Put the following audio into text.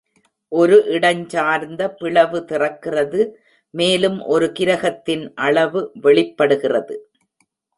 ஒரு இடஞ்சார்ந்த பிளவு திறக்கிறது, மேலும் ஒரு கிரகத்தின் அளவு வெளிப்படுகிறது.